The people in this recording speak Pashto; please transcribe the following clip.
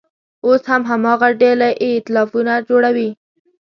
اوس هم هماغه ډلې اییتلافونه جوړوي.